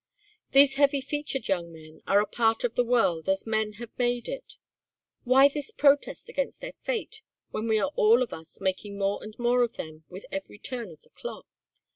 These heavy featured young men are a part of the world as men have made it. Why this protest against their fate when we are all of us making more and more of them with every turn of the clock?"